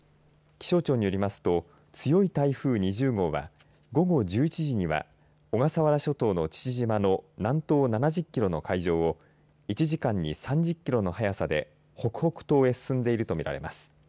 気象庁によりますと強い台風２０号は午後１１時には小笠原諸島の父島の南東７０キロの海上を１時間に３０キロの速さで北北東へ進んでいるとみられます。